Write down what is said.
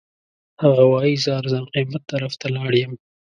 هغه وایي زه ارزان قیمت طرف ته لاړ یم.